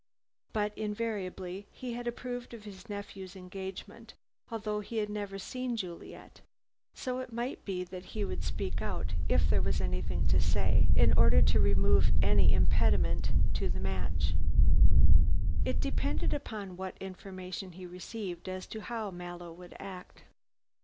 But invariably he had approved of his nephew's engagement, although he had never seen Juliet, so it might be that he would speak out if there was anything to say in order to remove any impediment to the match. It depended upon what information he received as to how Mallow would act.